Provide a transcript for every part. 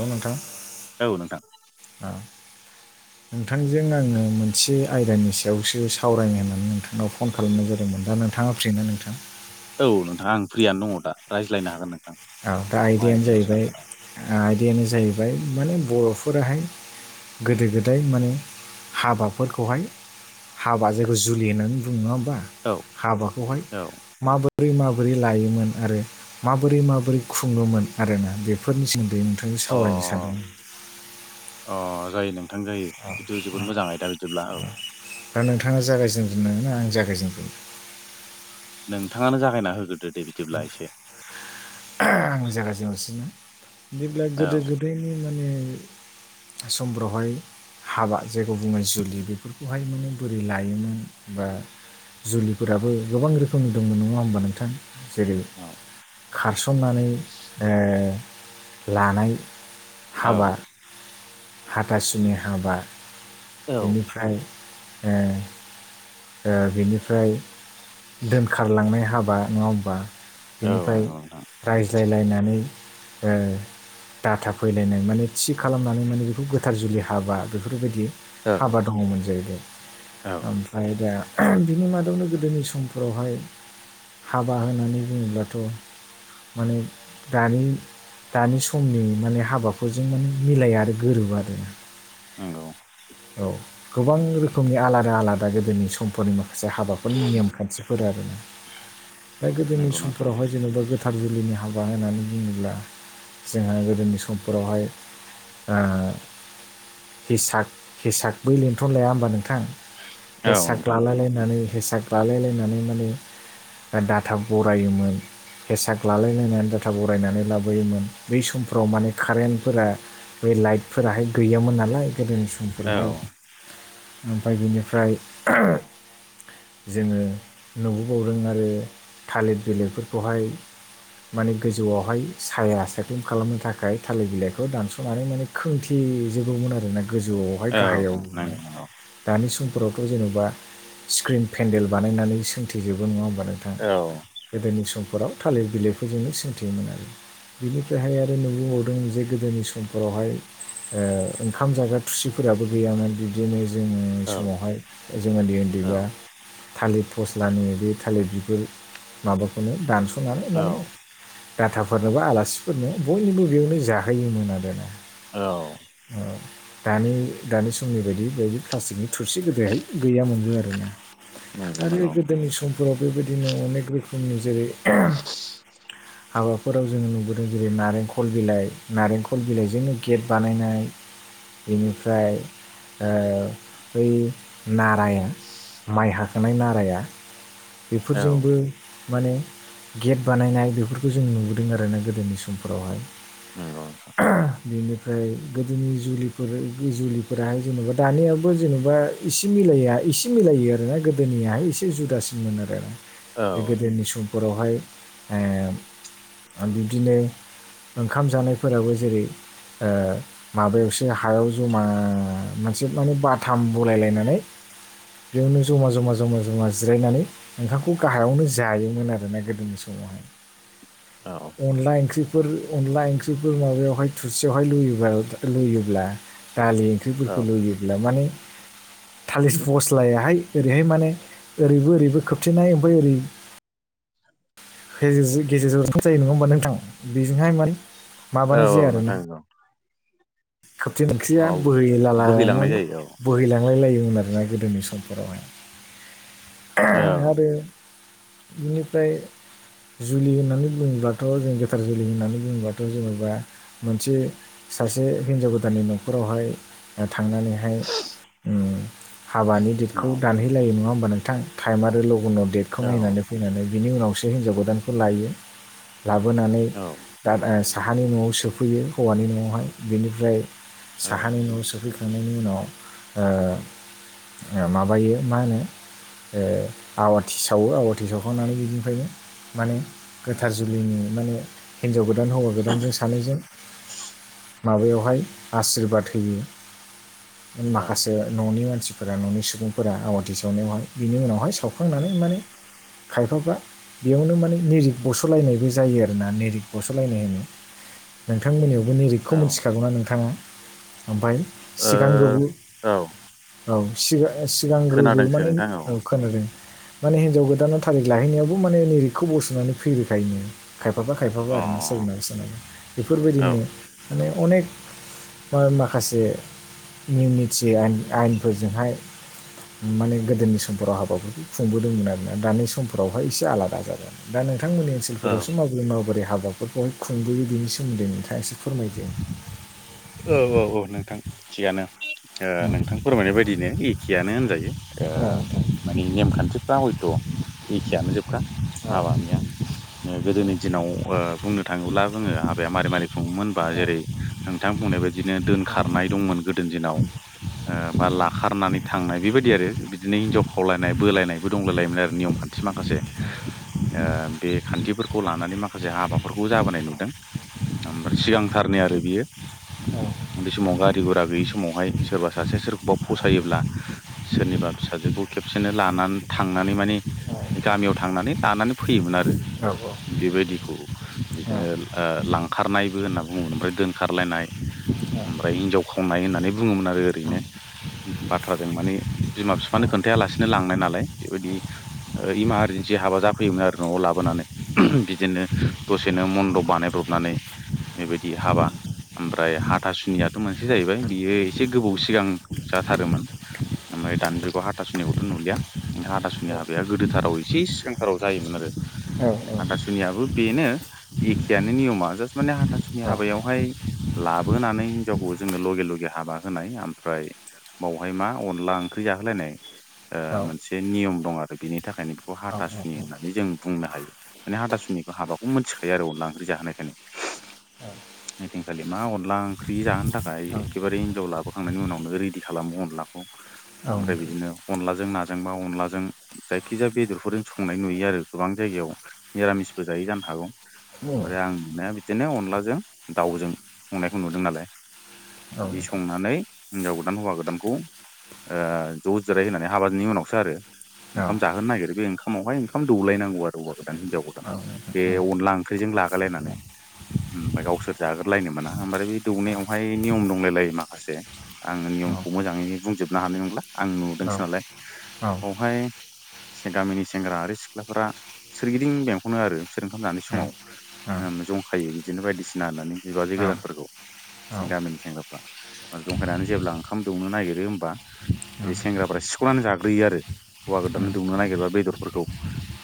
औ नोंथां। औ नोंथां नोंथांजों आङो मोनसे आयदानि सायावसो सावरायनो होननानै नोंथांनाव फन खालामनाय जादोंमोन दा नोंथाङा फ्रि ना नोंथां? औ नोंथाङा आं फ्रियानो दङ दाायज्लायनो हागोन नों औ दा आयदायानो जाहैबाय आयदायानो जाहैबाय माने बर'फोराहाय गोदो गोदाय माने हाबाफोरखौहाय हाबा जायखौ जुलि होननानै बुङो नङा होमबा। औ हाबाखौहाय औ माबोरै माबोरै लायोमोन आरो माबोरै माबोरै मोरै खुङोमोन आरोना बेफोरनि सोमोनदै अ अ जायो नों थां जायो। बेथ जोबोद मोजाङ आयदा बिदिब्ला औ। दा नोंथाङा जागायजेनग्रोनो ना आं जागायजेनग्रोनो? नोंथाङानो जागायना होग्रोदो दे बिदिब्ला एसे। आं जागायजेननोसै। जेब्ला औ गोदो गोदाय समफोरावहाय हाबा जायखौ बुङो जुलि बेफोरखौहाय माने बोरै लायोमोन बा जुलिफोराबो गोबां रोखोमनि दंमोन नङा होमबा नोंथां। जेरै- औ। खारसननानै लानाय औ हाबा, हाथासुनि हाबा, औ बेनिफ्राय बेनिफ्राय दोनखारलांनाय हाबा नङा होमबा। औ बिनिफ्राय नंगौ नोंथां रायज्लायलायनानै दाटा फैलायनाय माने थि खालामनानै माने बेखौ गोथार जुलि हाबा बेफोरबायदि औ हाबा दङमोन जाहैबाय। औ ओमफ्राय दा बिनि मादावनो गोदोनि समफोरावहाय हाबा होनानै बुङोब्लाथ' माने दानि दानि समनि माने हाबाफोरजों माने मिलाया आरो गोरोबा आरोना। नंगौ। औ गोबां रोखोमनि आलादा आलादा गोदोनि समफोरनि माखासे हाबा बेनि नेम खान्थिफोर आरोना मा गोदोनि नंगौ नोंथां समफोरावहाय जेनेबा गोथाव जुलिनि हाबा होननानै बुङोब्ला जोंहा गोदोनि समफोरावहाय हेसाक हेसाक बै लिंथ'न लाया होमबा नोंथां औ हेसाक नोंथां लालायलायनानै हेसाक लालायलायनानै माने दाटा बरायोमोन। हेसाक लालायलायनानै दाटा बरायनानै लाबोयोमोन। बै समफ्राव माने कारेन्टफोरा बे लाइटफोराहाय गैयामोन नालाय। गोदोनि औ समफोरावहाय ओमफ्राय बिनिफ्राय [unintelligible] जोङो नुबोबावदों आरो थालिर बिलिरफोरखौहाय माने गोजौआवहाय साया सायख्लुम खालामनो थाखाय थालिर बिलाइखौ दानस'नानै माने खोंथिजोबोमोन आरोना गोजौआव ओमफ्राय औ गाहायावबो। नंगौ नंगौ दानि समफोरावथ' जेन'बा स्क्रिन पेन्देल बानायनानै सोंथेजोबो नङा होनबा नोंथां। औ। गोदोनि समफोराव थालिर बिलाइफोरजोंनो सोंथियोमोन आरो। बिनिफ्रायहाय आरो नुबोबावदों जे गोदोनि समफोरावहाय ओ ओंखाम जाग्रा थुसिफोराबो गैयामोन दि बिदिनो जोंनि औ समावहाय जों उन्दै औ उन्दैबा थालिर फस्लानि बे थालिर बिगुर माबाखौनो दानस'नानै औ माने गाथाफोरनो बा आलासिफोरनो बयनिबो बेयावनो जाहोयोमोन आरोना औ औ दानि दानि समनि बायदि बेदि प्लास्टिकनि थुरसि गोदोहाय गैयामबो आरोना नंगौ आरो नंगौ गोदोनि समफोराव बेबायदिनो अनेक रोखोमनि जेरै हाबाफोराव जोङो नुबोदों जेरै नारेंखल बिलाइ नारेंखल बिलाइजोंनो गेट बानायनाय बेनिफ्राय ओ बै नाराया माइ हाखांनाय नाराया औ बेफोरजोंबो माने गेट बानायनाय बेफोरखौ जों नुबोदों आरोना गोदोनि समफोरावहाय नंगौ [unintelligible] बिनो फ्राय गोदोनि जुलिफोर जुलिफोराहाय जेन'बा दानियावबो जेन'बा एसे मिलाया एसे मिलायो आरोना गोदोनियाहाय एसे जुदासो मोन आरोना औ बे गोदोनि समफोरावहाय ओम बिब्दिनो ओंखाम जानायफोराबो जेरै ओ माबायावसो हायाव जमा मोनसे माने बाथाम बलायलायनानै बेयावनो ज'मा ज'मा ज'मा ज'मा जिरायनानै ओंखाखौ गाहायावनो जायोमोन आरोना गोदोनि समावहाय औ अनला ओंख्रि फोर अनला ओंख्रिफोर माबायावहाय थोरसियावहाय लुयोबा लुयोब्ला दालि औ ओंख्रिफोरखौ औ लुयोब्ला माने थालिस फस्लायाहाय ओरैहाय माने ओरैबो ओरैबो खोबथेनाय ओमफ्राय ओरै [unintelligible] गेजेरजोंसो जायो नङा होमबा नोंथां बेजोंहाय माने औ माबानाय औ नोंथां नोंगौ खोबथि ओंख्रिया बोहैला बोहैलांनाय लांनानै जायो बोहैलांलाय लायोमोन आरोना गोदोनि समफोरावहाय। ओ औ आरो बिनिफ्राय जुलि होननानै बुङोबथ' जों गोथार जुलि होननानै बुङोबाथ' जेनेबा मोनसे जे हिनजाव गोदाननि न'खरावहाय ओ थांनानै हाय उम हाबानि औ देटखौ दानहैलायो नङा होमबा नोंथां टाइम आरो लघुनाव डेटखौ औ नायनानै फैनानै बिनि उनावसो हिनजाव गोदानखौ लायो। लाबोनानै औ दा ओ साहानि न'आव सोफैयो हौवानि न'आवहाय बेनिफ्राय औ साहानि न'आव सोफैखांनायनि उनाव ओ ओ माबायो मा होनो ओ आवाथि सावो आवाथि सावखांनानै बिदिनिफ्रायनो माने गोथार जुलिनि माने हिनजाव गोदान हौवा गोदानजों सानैजों माबायावहाय आसशिरबाद होयो औ माखासे न'नि मानसिफोरा न'नि सुबुंफोरा आवाथि सावनायावहाय बिनि उनावहाय सावखांनानै माने खायफाबा बेयावनो माने निरिक बस'लायनायबो जायो आरो ना नेरिक बस'लायनाय होनो। नोंथांमोननियावबो निरिगखौ औ मिथिखागौना नोंथाङा ओमफ्राय ओ सिगां गोबौ औ औ सिंगा-सिगांग्रोबो खोनादोंसो माने नोंथां औ खोनादों माने हिनजाव गोदानाव थारिख लाहैनायावबो माने निरिकखौ बस'नानै फैबोखायोनो खायफाबा खायफाबा अ आरोना औ सोरनाबा सोरनाबा बेफोरबायदिनो माने अनेख बा माखासे निम निथि आइन-आयेनफोरजोंहाय माने गोदोनि समफोराव हाबाफोरखौ खुंबोदोंमोन आरोना दानि समफोरावहाय एसे आलादा जागोन। दा नोंथांमोननि ओनसोल औ फोरावसो माबोरै माबोरै हाबाफोरफोरखौहाय खुंबोयो बेनि सोमोन्दै नोंथाङा एसे फोरमायदो औ औ औ नोंथां थिगानो ओ औ नोंथां फोरमायनाय बायदिनो एखेयानो होनजायो। ओ औ नोंथां माने नेमखान्थिफ्रा हयथ' एखेयानो जोबखा। औ हाबानिया गोदोनि दिनाव ओ बुंनो थाङोब्ला बुङो हाबाया मारै मारै खुङोमोनबा जेरै नोंथां बुंनाय बादिनो दोनखारनाय दंमोन गोदोनि दिनाव ओ बा लाखारनानै थांनाय बेबायदि आरो बिदिनो हिनजाव खावलायनाय बोलायनायबो दंलायलायोमोन आरो नियम खान थि माखासे। [inaudible] ओ बे खान्थिफोरखौ लानानै माखासे हाबाफोरखौ जाबोनाय नुदों। ओमफ्राय सिगांथारनि आरो बियो। बे समाव गारि गुरा गैयि समावहाय सोरबा सासे सोरखौबा फसायोब्ला सोरनिबा फिसाजोखौ खेबसेनो लानानै थांनानै माने गामियाव थांनानै लानानै फैयोमोन आरो। औ औ बेबायदिखौ औ बिदिनो ओ लांखारनायबो होनना बुङोमोन ओमफ्राय दोन खारलायनाय औ नोंथां औ नोंथां औ नोंथां औ ओमफ्राय हिनजाव खावनाय होननानै बुङोमोन आरो ओरैनो। बाथ्राजों माने बिमा फिफानो खोनथायालासिनो लांनाय नालाय बेबायदि ओ इमारजेन्सि हाबा जाफैयोमोन आरो न'आव लाबोनानै। हम बिदिनो दसेनो मन्दब बानायब्रबनानै बेबायदि हाबा ओमफ्राय हाथासुनियाथ' मोनसे जाहैबाय बियो एसे गोबाव सिगां जाथारोमोन। ओमफ्राय दानजुखौ हाथासुनिखौथ' नुलिया हाथासुनि हाबाया गोदोथाराव एसे सिगांथाराव जायोमोन आरो हाथासुनियाबो बेनो एखेयानो नियमा जास्ट माने हाथासुनि हाबायावहाय लाबोनानै हिनजावखौ जोंङनो लगे लगे हाबा होनाय ओमफ्राय बावहाय मा अनला ओंख्रि जाहोलायनाय औ मोनसे नियम दं आरो बेनि थाखायनो बेखौ हाथासुनि होननानै जों बुंनो हायो माने हादासुनिखौ हाबाखौ मिथिखायो आरो अनदला ओंख्रि जाहोनायखायनो। ओइदिनखालि मा अनला ओंख्रि जाहोनो थाखाय एखेबारे हिनजाव लाबोखांनायनि उनावनो रेडि खालामो अनलाखौ ओमफ्राय बिदिनो अनलाजों नाजोंबा अनलाजों जायखिजाया बेदरफोरजों संनाय नुयो आरो गोबां जायगायाव निरामिसबो जायै जानो हागौ ओमफ्राय आं नुनाया बिदिनो अनलाजों दाउजों संनायखौ नुदों नालाय बिदि संनानै हिनजाव गोदान हौवा गोदानखौ ज' जिराय होनानै हाबनि उनावसो आरो ओंखाम जाहो नागिरो बे ओंखामावहाय ओंखाम दौलायनांगौ आरो गोदान हिनजाव गोदान। बे अनला ओंख्रिजों लागलायनानै ओमफ्राय गावसोर जाग्रलायनो मोना ओमफ्राय बे दौनायावहाय नियम दंलायलायो माखासे आङो नियमखौ मोजाङै बुंजोबनो हानाय नंला आं नुदोंसो नालाय बावहाय गामिनि सेंग्रा आरो सिख्लाफोरा सोरगिदिं बेंखनो आरो बिसोर ओंखाम जानाय समाव। जंखायो बिदिनो बायदिसिना होननानै बिबाजै गोदानफोरखौ बिनि गामिनि सेंग्राफ्रा। जंखायनानै जेब्ला ओंखाम दौनो नागिरो होमबा बे सेंग्राफ्रा सिखुनानै जाग्रोयो आरो हौवा गोदाननो दौनो नागिरबा बेदरफोरखौ।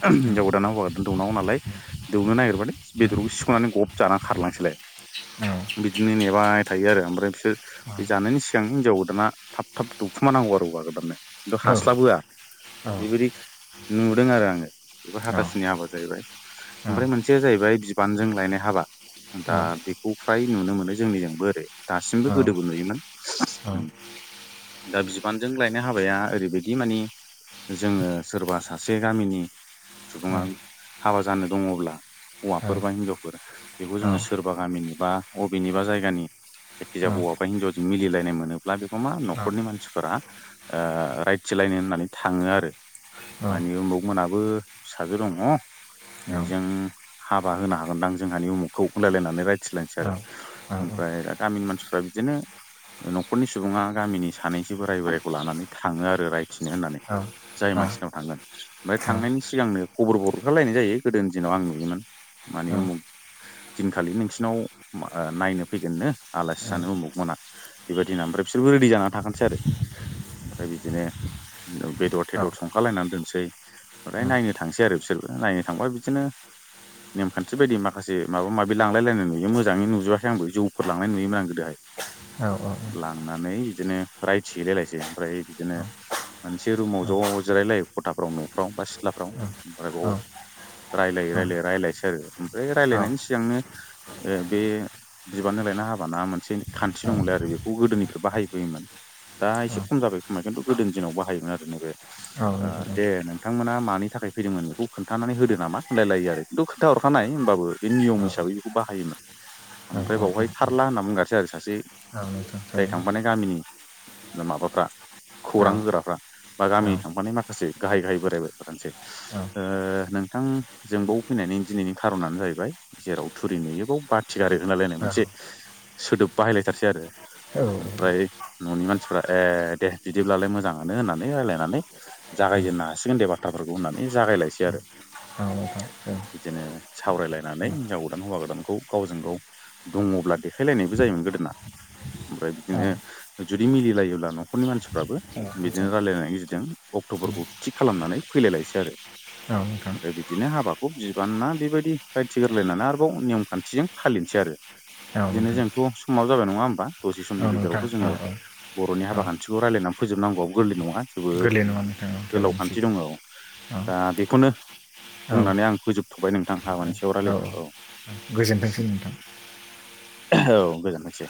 हिन्जाव गोदाना हौवा गोादाननो दौनांगौ नालाय दौनो नागिरबाथाय बेदरखौ सिख'नानै गब जानानै खारलाङो। सिलाय बिदिनो नेबाय थायो आरो ओमफ्राय बिसोर बे जानायनि सिगां हिनजाव गोदाना थाब थाब दौखुमानांगौ आरो हौवा गोदाननो। खिन्थु हास्लाबहोआ बेबायदि नुदों आरो आङो। बेबो हाथासुनि हाबा जाहैबाय ओमफ्राय मोनसेया जाहैबाय बिबानजों लायनाय हाबा। दा बेखौ फ्राय नुनो मोनो जोंनिजोंबो ओरै दासिमबो गोदोबो नुयोमोन। औ दा बिबानजों लायनो हाबाया ओरैबायदि मानि जोङो सोरबा सासे गामिनि सुबुङा हाबा जानो दङब्ला हौवाफोर बा हिनजावफोर बेखौ जोङो सों सोरबा गामिनि बा बबेनि बा जायगानि जायखिजाया हौवा बा हिन्जावजों मिलायनाय मोनोब्ला बेखौ मा न'खरनि मानसिफोरा ओ राइटथिलायनो होननानै थाङो आरो मानि उमुमोनाबो फिसाजो दङ बेजों हाबा होनो हागोनदांं जोंहानि उमुखखौ होनलायलायनानै रायथिलायसै आरो ओमफ्राय दा गामिनि मानसिफ्रा बिदिनो न'खरनि सुबुङा गामिनि सानैसो बोराय बोराइखौ लानानै थाङो आरो रायथिनो होननानै जाय मानसिनाव थांगोन ओमफ्राय थांनायनि सिगांनो खबरबोरखारलायनाय जायो गोदोनि दिनाव आं नुयोमोन मानि उमु दिनखालि नोंसिरनाव ओ नायनो फैगोननो आलासि जानो उमुगमोना बेबायदिना ओमफ्राय बिसोरबो रेडि जानानै थागोनसै आरो ओमफ्राय बिदिनो बेदर थदर संखालायनानै दोनसै ओमफ्राय नायनो थांसै आरो बिसोरबो नायनो थांबा बिदिनो नेमखान्थि बायदि माखासे माबा माबि लांलायनायुयो मोाङै नुजोबाखै आंबो जफोर लांनाय नुोमोन आ गोदोहाय औ औ औ। थांनानै बिदिनो राइड सेलायलायसै ओमफ्राय औ बिदिनो मोनसे रुमाव ज' जिरायलायो खथाफ्राव न'फ्राव बा सिथ्लाफ्राव ओमफ्राय बाव रायजलायै रायजलायै रायजलायसैरो ओमफ्राय रायजलायनायनि सिगांनो ओ बे बिबारनि लायना हाबाना मोनसे खान्थि दंलै आरो बेखौ गोदोनिफ्राय बाहायबोयोमोन। दा एसे खम जाबाय खोमा खिन्थु गोदोनि दिनाव बाहायोमोन आरो नैबे ओ दे नों बिथांमोना मानि थाखाय फैदोंमोन बेखौ खोन्थानानै होदो नामा होनलायलायो आरो खिन्थु खोनथा हरखानाय होनोमबाबो बे नियम हिसाबै बेखौ बाहायोमोन ओमफ्राय बावहाय थारला होनना बुंगारसै आरो सासे। जाय थांफानाय गामिनि माबाफ्रा खौरां होग्राफ्रा। बा गामिनि थांफानाय माखासे गाहाय गाहाय बोरायफोर माखासे ओ नोंथां जोंबाव फैनायनि दिननि खारनानो जाहैबाय जेराव थुरि नुयोबयाव बाथि गार होनलायनाय मोनसे सोदोब बाहायलायथारसै आरो। ओमफ्राय न'नि मानसिफ्रा ए दे बिदिब्लालाय मोजाङानो होननानै राय्लायनानै जागायजेननो हासिगोन दे बाथ्राफोरखौ होननानै जागायलायसै आरो। बिदिनो सावरायला होननानै हिनजाव गोदान हौवा गोदानखौ गावजों गाव दङब्ला देखायलायनायबो जायोमोन गोदोना। ओमफ्राय बिदिनो जुदि मिलिलायोब्ला न'खरनि मानसिफ्राबो बिदिनो रायलायनाय गिदिरदों अक्ट'बरखौ थिग खालामनानै फैलायलायसै आरो। ओमफ्राय बिदिनो हाबाखौ बिबान ना बेबायदि। रायथि गोरलायनानै आरोबाव नियम खान्थिजों फालिनोसै आरो बिदिनो जोंथ' समाव जाबाय नङा होमबा? दसे समनि गेजेरावथ' जोङो बर'नि हाबा खान्थिखौ रायजलायनानै फोजोबनांगौआ गोरलै नङा। जोबोद गोरलै नङा नोंथां औ गोलाव थारैनो खान्थि सैथो दङ औ दा बेखौनो औ बुंनानै आं फोजोबथ'बाय नोंथां हाबानि औ रायलायनायखौ औ गोजोनथोंसै नोंथां औ गोजोननोसै